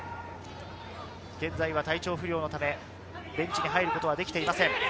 現在、体調不良のためベンチに入ることはできていません。